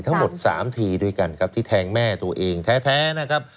ทั้งหมด๓ทีด้วยกันครับที่แทงแม่ตัวเองแท้นะครับ